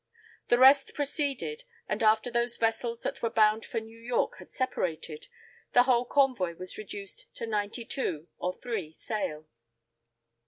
The rest proceeded, and after those vessels that were bound for New York had separated, the whole convoy was reduced to ninety two or three sail.